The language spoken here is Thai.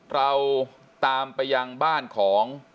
เราตามไปยังบ้านของ